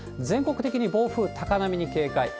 全国的に暴風、高波に警戒。